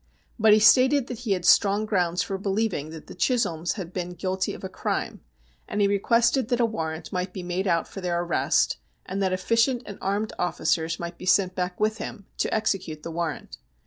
But he stated that he had strong grounds for believing that the Chisholms had been guilty of a crime, and he requested that a warrant might be made out for their arrest, and that efficient and armed officers might be sent back with him to execute the warrant.